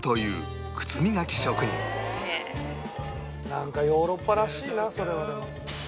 「なんかヨーロッパらしいなそれはでも」